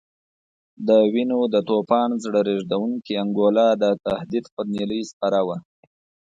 د وینو د توپان زړه رېږدونکې انګولا د تهدید پر نیلۍ سپره وه.